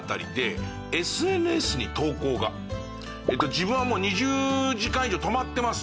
「自分は２０時間以上止まってます」と。